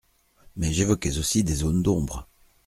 Mais j’évoquais aussi des zones d’ombre.